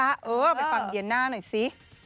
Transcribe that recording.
รับนะคะเออไปฟังเยียนหน้าหน่อยสิ